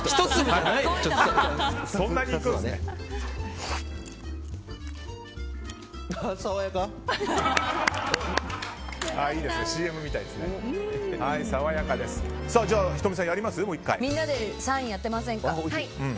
みんなで３位当てませんか。